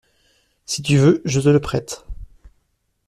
Si tu veux, je te le prête.